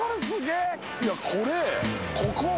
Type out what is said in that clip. いやこれ。